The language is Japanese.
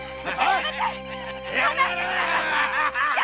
やめてください！